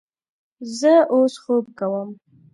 زه اوس خوب کوم